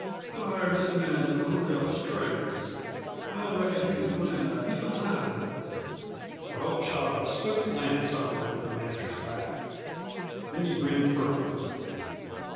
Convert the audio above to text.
"I've hired this man to look up strays. I reckon he c'n put in a heap of time at it." Rope shot a swift glance upward at the manager's back. Then he grinned furtively.